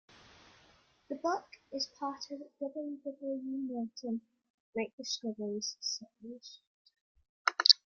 The book is part of the W. W. Norton "Great Discoveries" series.